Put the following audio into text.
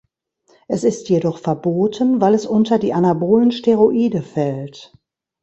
Es ist jedoch verboten, weil es unter die anabolen Steroide fällt.